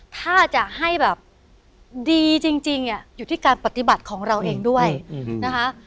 ถ้าจะให้แบบดีจริงอยู่ที่การปฏิบัติของเราเองด้วยนะคะ